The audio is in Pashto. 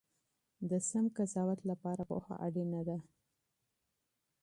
د سم قضاوت لپاره پوهه اړینه ده.